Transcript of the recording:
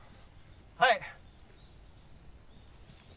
はい。